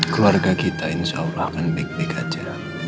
keluarga kita insya allah akan baik baik aja